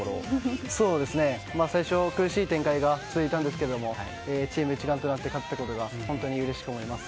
最初、苦しい展開が続いていたんですけどチーム一丸となって勝てたことが本当にうれしく思います。